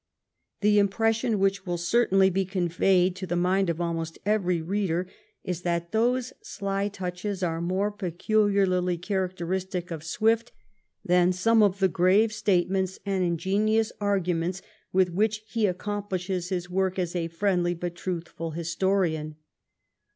The impression which will certainly be conveyed to the mind of almost every reader is that those sly touches are more peculiarly characteristic of Swift than some of the grave statements and ingenious arguments with which he accomplishes his work as a friendly but truthful historian.